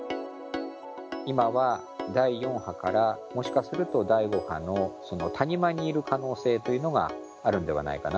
今は第４波からもしかすると第５波の、その谷間にいる可能性があるのではないかな。